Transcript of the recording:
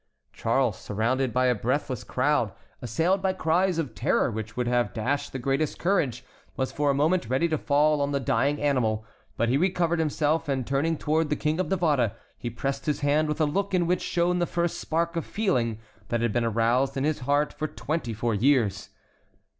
Charles, surrounded by a breathless crowd, assailed by cries of terror which would have dashed the greatest courage, was for a moment ready to fall on the dying animal. But he recovered himself and, turning toward the King of Navarre, he pressed his hand with a look in which shone the first spark of feeling that had been roused in his heart for twenty four years.